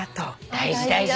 大事大事。